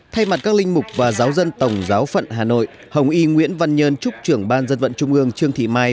thay mặt các linh mục và giáo dân tổng giáo phận hà nội hồng y nguyễn văn nhơn chúc trưởng ban dân vận trung ương trương thị mai